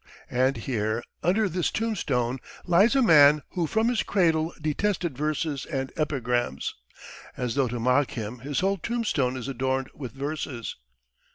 And here, under this tombstone, lies a man who from his cradle detested verses and epigrams. ... As though to mock him his whole tombstone is adorned with verses.